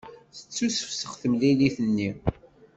Tettusefsex temlilit-nni.